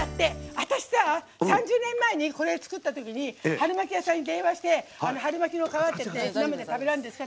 私さ、３０年前にこれ作ったときに春巻き屋さんに電話して春巻きの皮って生で食べられるんですか？